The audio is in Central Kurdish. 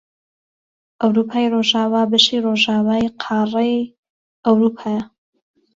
ئەوروپای ڕۆژئاوا بەشی ڕۆژئاوای قاڕەی ئەوروپایە